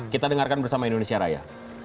kita dengarkan bersama indonesia raya